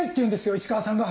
石川さんが！